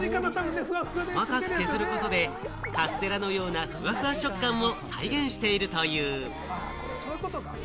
細かく削ることで、カステラのようなふわふわ食感も再現しているという。